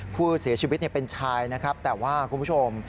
ผู้เสียชีวิตเป็นชายนะครับแต่ว่าคุณผู้ชม